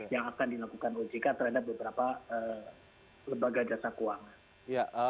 yang akan dilakukan ojk terhadap beberapa lembaga jasa keuangan